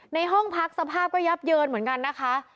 ในห้องพักสภาพก็ยับเยินเหมือนกันนะคะ